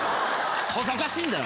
小ざかしいんだよ